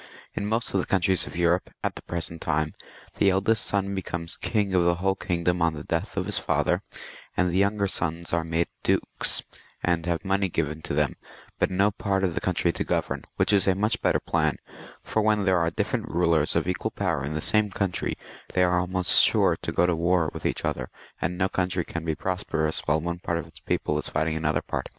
In most of the coimtries of Europe, at the pre sent time, the eldest son becomes king of the whole king dom on the death of his father, and the younger sons are made Dukes, and have money given to them, but no part of the country to govern, which is a much better plan, for when there are different rulers of equal power in the same country, they are almost sure to go to war with each other, and no country can be prosperous while one part of its people is fighting against another part.